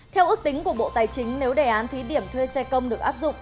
theo ước tính của bộ tài chính nếu đề án thí điểm thuê xe công được áp dụng